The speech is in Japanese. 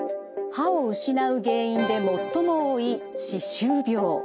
歯を失う原因で最も多い歯周病。